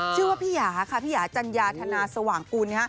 ชื่อว่าพี่ยาจัญญาธนาสว่างกุล